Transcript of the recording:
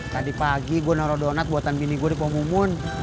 tadi pagi gue naro donat buatan bini gue di pohon bumun